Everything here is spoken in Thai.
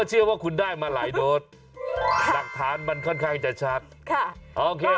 ผมเชื่อคุณได้มาหลายโดสอันคารมันค่อนข้างจะชัก